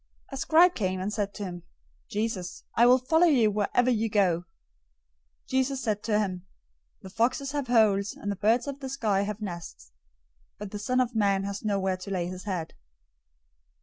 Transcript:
008:019 A scribe came, and said to him, "Teacher, I will follow you wherever you go." 008:020 Jesus said to him, "The foxes have holes, and the birds of the sky have nests, but the Son of Man has nowhere to lay his head."